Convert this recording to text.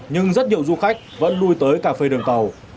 nhưng rất nhiều du khách vẫn lui tới cà phê đường tàu